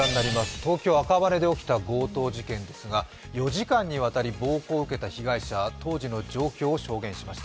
東京・赤羽で起きた強盗事件ですが４時間にわたり暴行を受けた被害者が当時の状況を証言しました。